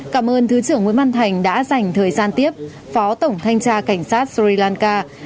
cảm ơn thứ trưởng nguyễn văn thành đã dành thời gian tiếp phó tổng thanh tra cảnh sát sri lanka